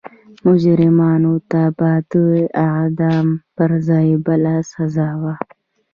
مجرمانو ته به د اعدام پر ځای بله سزا وه.